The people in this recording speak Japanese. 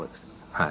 はい。